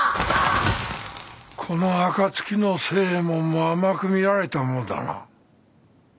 この暁の星右衛門も甘く見られたもんだな。